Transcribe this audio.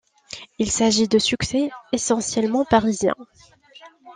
Il s'agit de succès essentiellement parisiens.